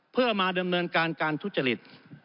เพื่อมาดำเนินการการทุจริต